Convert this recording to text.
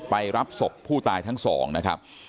ไปรับศพผู้ตายทั้งสองนะครับ